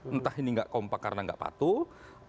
entah ini nggak kompak karena nggak patuh